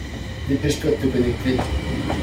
Dépêche-toi de te connecter!